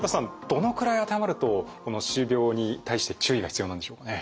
どのくらい当てはまるとこの歯周病に対して注意が必要なんでしょうかね？